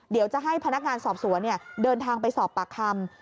เดี๋ยวจะให้พนักงานสอบสวนเดินทางไปสอบปากคำ